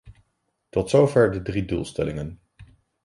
Tot zover de drie doelstellingen.